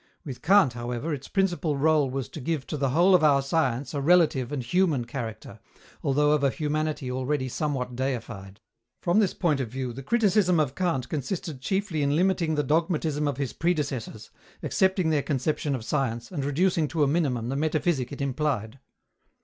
With Kant, however, its principal rôle was to give to the whole of our science a relative and human character, although of a humanity already somewhat deified. From this point of view, the criticism of Kant consisted chiefly in limiting the dogmatism of his predecessors, accepting their conception of science and reducing to a minimum the metaphysic it implied.